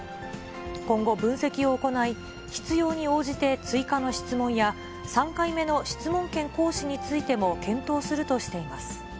今後、分析を行い、必要に応じて追加の質問や、３回目の質問権行使についても検討するとしています。